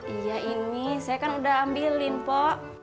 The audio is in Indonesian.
iya ini saya kan udah ambilin po